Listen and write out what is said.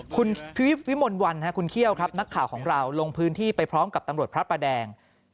คุณวิมลวันคุณเขี้ยวครับนักข่าวของเราลงพื้นที่ไปพร้อมกับตำรวจพระประแดง